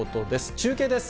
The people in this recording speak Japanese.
中継です。